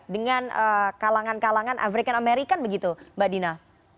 dengan kalangan kalangan african american begitu mbak dina